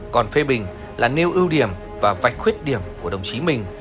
còn phê bình là nêu ưu điểm và vạch khuyết điểm của đồng chí mình